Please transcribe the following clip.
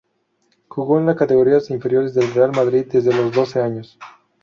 Jugó en las categorías inferiores del Real Madrid desde los doce años.